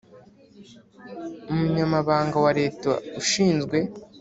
Umunyamabanga wa Leta Ushinzwe